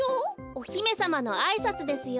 おひめさまのあいさつですよ。